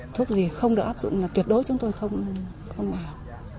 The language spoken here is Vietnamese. thuốc gì không được áp dụng là tuyệt đối chúng tôi không vào